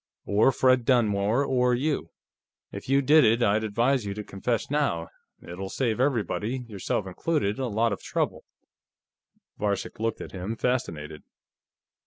"Or Fred Dunmore, or you. If you did it, I'd advise you to confess now; it'll save everybody, yourself included, a lot of trouble." Varcek looked at him, fascinated.